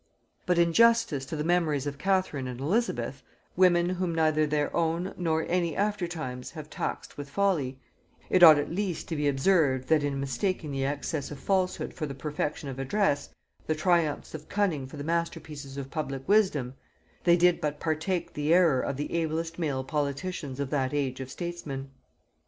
But in justice to the memories of Catherine and Elizabeth, women whom neither their own nor any after times have taxed with folly, it ought at least to be observed, that in mistaking the excess of falsehood for the perfection of address, the triumphs of cunning for the masterpieces of public wisdom, they did but partake the error of the ablest male politicians of that age of statesmen.